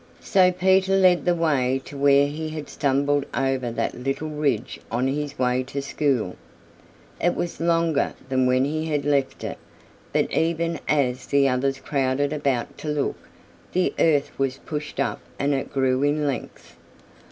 So Peter led the way to where he had stumbled over that little ridge on his way to school. It was longer than when he had left it, but even as the others crowded about to look, the earth was pushed up and it grew in length.